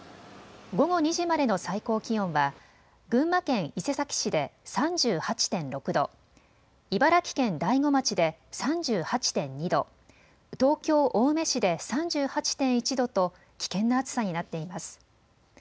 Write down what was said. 午後２時までの最高気温は群馬県伊勢崎市で３８．６度、茨城県大子町で３８．２度、東京青梅市で３８．１度と危険な暑さになっています。